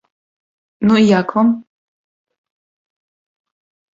Ну, і як вам?